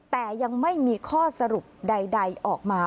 แต่ยังไม่มีข้อสรุปใดออกมา